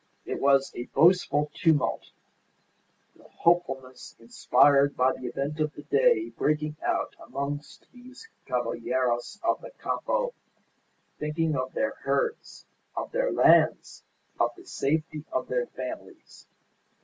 It was a boastful tumult, the hopefulness inspired by the event of the day breaking out amongst those caballeros of the Campo thinking of their herds, of their lands, of the safety of their families.